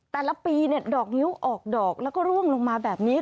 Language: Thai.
แต่ละปีดอกนิ้วออกดอกแล้วก็ร่วงลงมาแบบนี้